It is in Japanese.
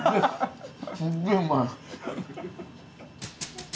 すっげえうまい。